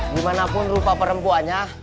dimanapun rupa perempuannya